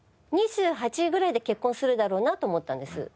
２８ぐらいで結婚するだろうなと思ったんです